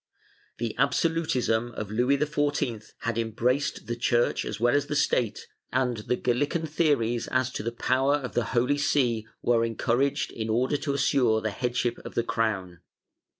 The absolutism of Louis XIV had embraced the Church as well' as the State, and the Galilean theories as to the power of the Holy See were encouraged in order to assure the headship of the crown.